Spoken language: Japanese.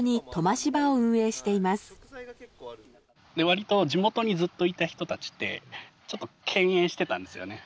割と地元にずっといた人たちってちょっと敬遠していたんですよね。